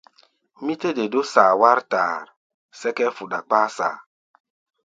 Mí tɛ́ de dó saa wár taar, sɛ́ká ɛ́ɛ́ fuɗá kpasá saa.